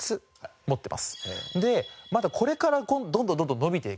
でまだこれからどんどんどんどん伸びていく。